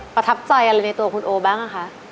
ประทับใจอะไรในตัวคุณโอบ้างอะคะ